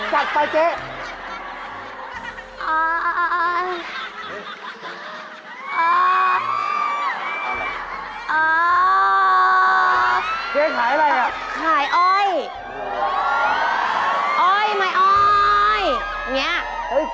ให้เจ๊ลงมือเองเลย